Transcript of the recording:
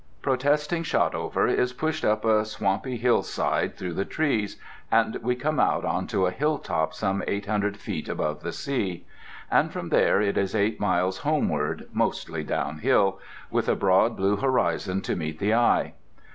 Protesting Shotover is pushed up a swampy hillside through the trees—and we come out onto a hilltop some 800 feet above the sea. And from there it is eight miles homeward, mostly downhill, with a broad blue horizon to meet the eye.